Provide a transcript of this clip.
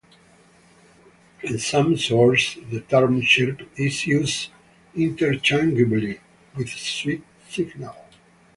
In some sources, the term "chirp" is used interchangeably with sweep signal.